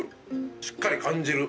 しっかり感じる。